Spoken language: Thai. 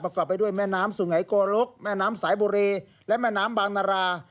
กลับไปด้วยแม่น้ำสุไงโกลกแม่น้ำสายบุรีและแม่น้ำบางนารา